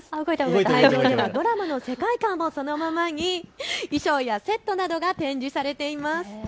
会場ではドラマの世界観をそのままに衣装やセットなどが展示されています。